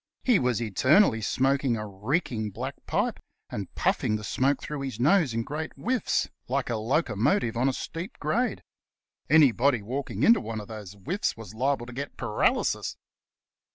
He was eternally smoking a reeking black pipe, and puffing the smoke through his nose in great whifis, like a locomotive on a steep grade. Anybody walking into one of those whiffs was liable to get paralysis.